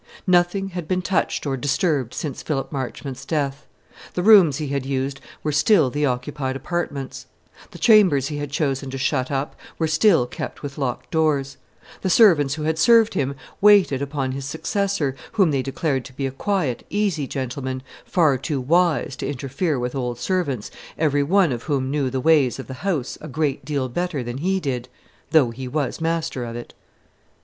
Nothing had been touched or disturbed since Philip Marchmont's death. The rooms he had used were still the occupied apartments; the chambers he had chosen to shut up were still kept with locked doors; the servants who had served him waited upon his successor, whom they declared to be a quiet, easy gentleman, far too wise to interfere with old servants, every one of whom knew the ways of the house a great deal better than he did, though he was the master of it.